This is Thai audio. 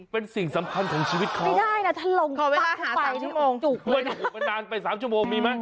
เป็นสิ่งสำคัญของชีวิตเขาขอเวลาหา๓ชั่วโมงจุกเลยนะมันนานไป๓ชั่วโมงมีมั้ย